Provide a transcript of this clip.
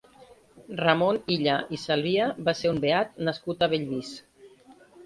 Ramon Illa i Salvia va ser un beat nascut a Bellvís.